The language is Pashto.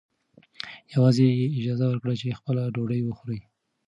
یوازې یې اجازه ورکړه چې خپله ډوډۍ وخوري.